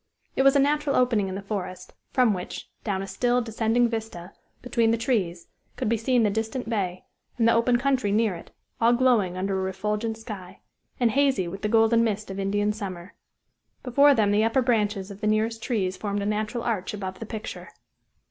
It was a natural opening in the forest, from which, down a still, descending vista, between the trees, could be seen the distant bay, and the open country near it, all glowing under a refulgent sky, and hazy with the golden mist of Indian Summer. Before them the upper branches of the nearest trees formed a natural arch above the picture.